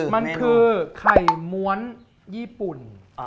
มันคือไข่ม้วนญี่ปุ่น